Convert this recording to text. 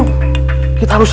rakan jangan sampai gagal